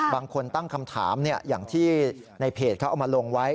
บางคนตั้งคำถามอย่างที่ในเพจเขาเอามาลงไว้